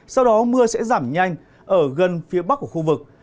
sau đó mưa sẽ giảm nhanh ở gần phía bắc của khu vực